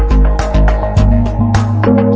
วิ่งเร็วมากครับ